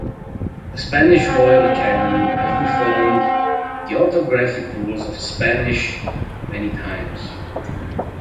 The Spanish Royal Academy has reformed the orthographic rules of Spanish many times.